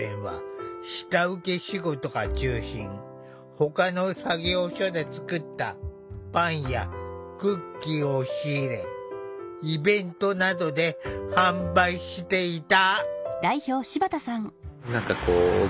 ほかの作業所で作ったパンやクッキーを仕入れイベントなどで販売していた。